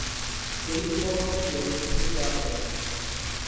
এই উপলক্ষে লোকসঙ্গীত গাওয়া হবে।